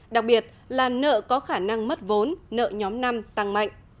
đặc biệt là nợ có khả năng mất vốn nợ nhóm năm tăng mạnh